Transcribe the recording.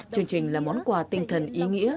chương trình là món quà tinh thần ý nghĩa